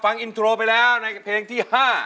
ฟังอินโทรไปแล้วในเพลงที่๕